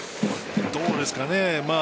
どうですかね。